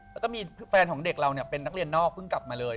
แล้วก็มีแฟนของเด็กเราเป็นนักเรียนนอกเพิ่งกลับมาเลย